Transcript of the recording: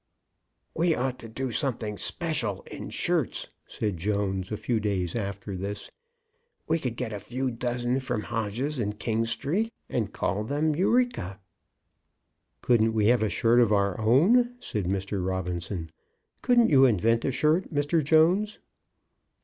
"We ought to do something special in shirts," said Jones, a few days after this. "We could get a few dozen from Hodges, in King Street, and call them Eureka." "Couldn't we have a shirt of our own?" said Mr. Robinson. "Couldn't you invent a shirt, Mr. Jones?"